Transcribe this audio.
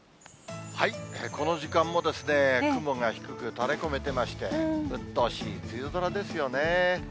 この時間もですね、雲が低く、垂れこめてまして、うっとうしい梅雨空ですよね。